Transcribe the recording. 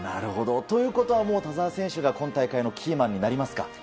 ということは、田澤選手が今大会のキーマンになりますか。